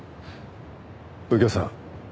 右京さん